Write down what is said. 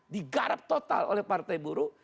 digarap total oleh partai buruh